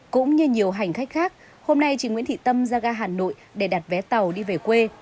cũng như nhiều hành khách khác hôm nay chị nguyễn thị tâm ra ga hà nội để đặt vé tàu đi về quê